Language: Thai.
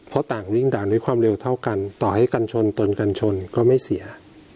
เพราะต่างวิ่งด่านด้วยความเร็วเท่ากันต่อให้กันชนตนกันชนก็ไม่เสีย